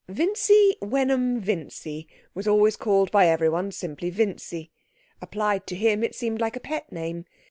Vincy Wenham Vincy was always called by everyone simply Vincy. Applied to him it seemed like a pet name.